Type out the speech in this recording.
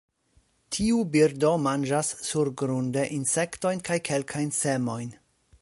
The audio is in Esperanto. Tiu birdo manĝas surgrunde insektojn kaj kelkajn semojn.